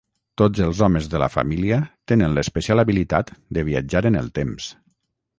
Tots els homes de la família tenen l'especial habilitat de viatjar en el temps.